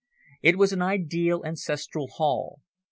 It was an ideal ancestral hall.